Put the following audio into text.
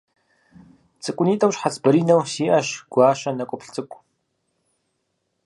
Цӏыкӏунитӏэу, щхьэц баринэу, сиӏэщ гуащэ нэкӏуплъ цӏыкӏу.